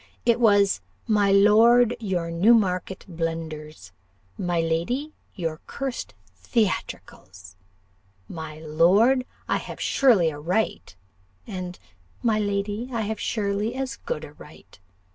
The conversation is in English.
It was, 'My lord, your Newmarket blunders' 'My lady, your cursed theatricals' 'My lord, I have surely a right' and, 'My lady, I have surely as good a right.